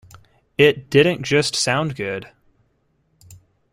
It didn't just sound good.